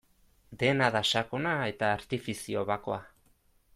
Dena da sakona eta artifizio bakoa.